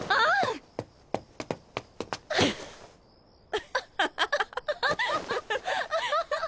アハハハ。